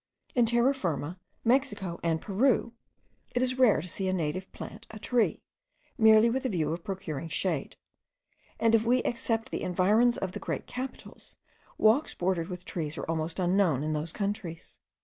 In Terra Firma, Mexico, and Peru, it is rare to see a native plant a tree, merely with the view of procuring shade; and if we except the environs of the great capitals, walks bordered with trees are almost unknown in those countries.